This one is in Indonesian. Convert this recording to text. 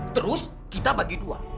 terus kita bagi dua